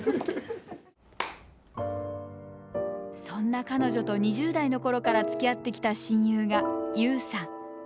そんな彼女と２０代の頃からつきあってきた親友がＹＯＵさん。